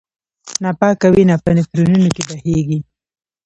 ناپاکه وینه په نفرونونو کې بهېږي.